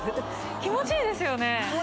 気持ちいいですよね？